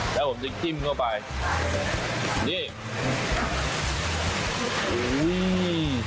แล้วผมจะจิ้มเข้าไปนี่อุ้ย